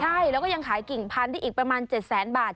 ใช่แล้วก็ยังขายกิ่งพันที่อีกประมาณเจ็ดแสนบาท